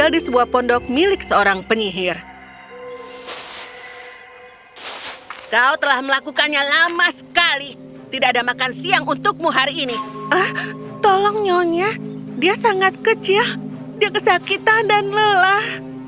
dia sangat kecil dia kesakitan dan lelah